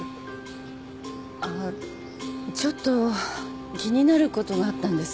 あっちょっと気になることがあったんです。